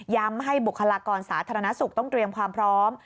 ให้บุคลากรสาธารณสุขต้องเตรียมความพร้อม